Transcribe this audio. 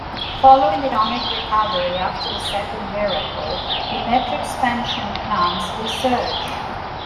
Following the economic recovery after the second miracle, the metro's expansion plans resurged.